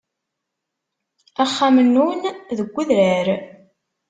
Axxam-nnun deg udrar.